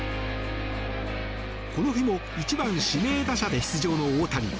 この日も１番指名打者で出場の大谷。